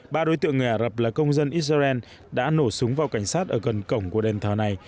ba đối tượng người ả rập là công dân israel đã nổ súng vào cảnh sát ở gần cổng của đền thờ này